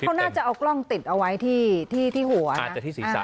คือเขาน่าจะเอากล้องติดเอาไว้ที่หัวนะอาจจะที่ศรีษะ